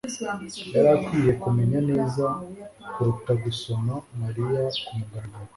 yari akwiye kumenya neza kuruta gusoma Mariya kumugaragaro